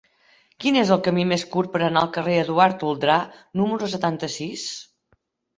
Quin és el camí més curt per anar al carrer d'Eduard Toldrà número setanta-sis?